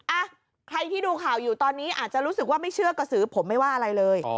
อ่ะใครที่ดูข่าวอยู่ตอนนี้อาจจะรู้สึกว่าไม่เชื่อกระสือผมไม่ว่าอะไรเลย